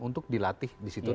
untuk dilatih disitu